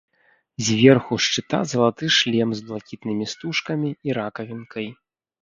Зверху шчыта залаты шлем з блакітнымі стужкамі і ракавінкай.